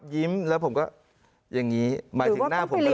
ยิ้มแล้วผมก็อย่างนี้หมายถึงหน้าผมก็